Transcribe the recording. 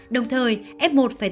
đồng thời f một phải tự theo dõi